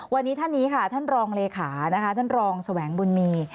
วันนี้ท่านนี้ค่ะท่านรองเลขานะคะท่านรองแสวงบุญมี